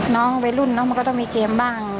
วัยรุ่นน้องมันก็ต้องมีเกมบ้าง